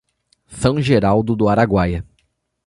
São Geraldo do Araguaia